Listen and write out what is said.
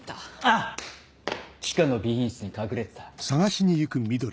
地下の備品室に隠れてた。